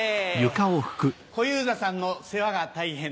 小遊三さんの世話が大変。